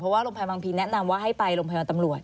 ว่าโรงพยาบาลบางพีแนะนำว่าให้ไปโรงพยาบาลตำรวจ